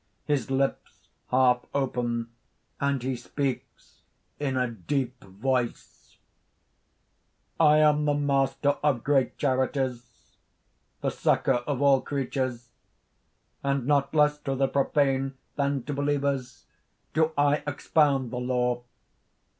His lips, half open; and he speaks in a deep voice_): "I am the Master of great charities, the succor of all creatures; and not less to the profane than to believers, do I expound the law.